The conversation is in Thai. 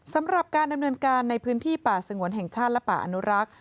สำหรับการดำเนินการในพื้นที่ป่าสงวนแห่งชาติและป่าอนุรักษ์